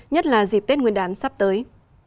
nhất là dịp tết nguyên đán sắp tới